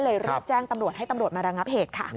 รีบแจ้งตำรวจให้ตำรวจมาระงับเหตุค่ะ